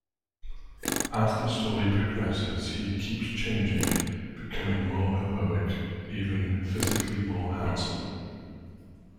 As the story progresses he keeps changing, becoming more heroic, even physically more handsome.